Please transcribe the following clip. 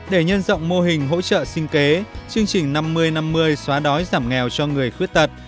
để nhân rộng mô hình hỗ trợ sinh kế chương trình năm mươi năm mươi xóa đói giảm nghèo cho người khuyết tật